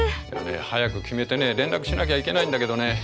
早く決めてね連絡しなきゃいけないんだけどね。